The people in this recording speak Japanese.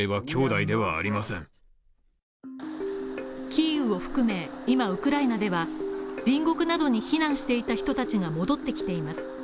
キーウを含め、いまウクライナでは隣国などに避難していた人たちが戻ってきています。